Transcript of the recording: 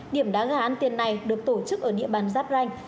điểm đá gà ăn tiền này được tổ chức ở địa bàn giáp ranh